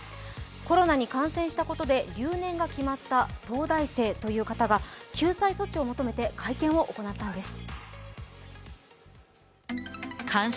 コロナに感染したことで留年が決まった東大生という方が、救済措置を求めて会見を行ったんです。